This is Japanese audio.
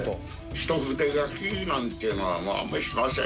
一筆書きなんていうのは、あんまりしません。